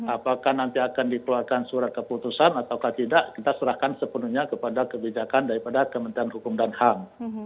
apakah nanti akan dikeluarkan surat keputusan atau tidak kita serahkan sepenuhnya kepada kebijakan daripada kementerian hukum dan ham